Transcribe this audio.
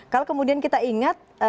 kalau kemudian kita ingat